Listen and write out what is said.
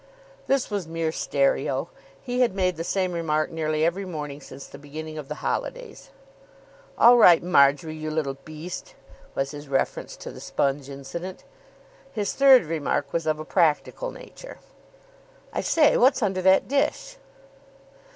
This was mere stereo. He had made the same remark nearly every morning since the beginning of the holidays. "All right, Marjory, you little beast," was his reference to the sponge incident. His third remark was of a practical nature. "I say, what's under that dish?"